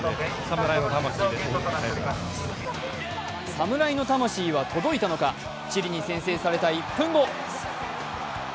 侍の魂は届いたのかチリに先制された１分後。